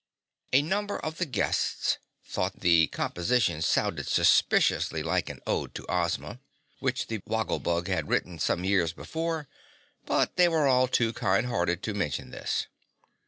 A number of the guests thought the composition sounded suspiciously like an "Ode to Ozma," which the Woggle Bug had written some years before, but they were all too kind hearted to mention this.